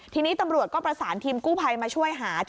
ทีนี้ตำรวจก็ประสานทีมกู้ภัยมาช่วยหา